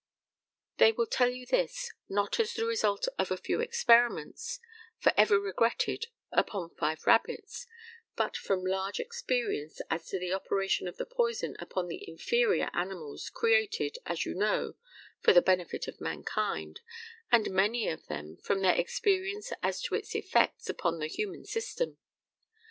They will tell you this, not as the result of a few experiments, for ever regretted, upon five rabbits, but from a large experience as to the operation of the poison upon the inferior animals, created, as you know, for the benefit of mankind, and many of them from their experience as to its effects upon the human system.